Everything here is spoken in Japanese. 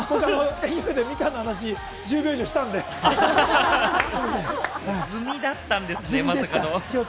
愛媛でみかんの話を１０秒以上し済みだったんですね、まさかの。